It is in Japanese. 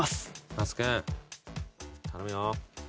那須君頼むよ。